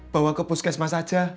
bawa ke puskesmas aja